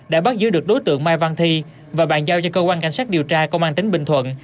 đã bắt giữ được đối tượng mai văn thi và bàn giao cho cơ quan cảnh sát điều tra công an tỉnh bình thuận